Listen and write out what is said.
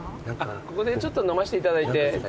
ここでちょっと飲ませていただいて。